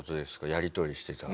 やり取りしてた？